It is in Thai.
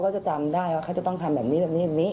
ทำได้ว่าเขาจะต้องทำแบบนี้แบบนี้แบบนี้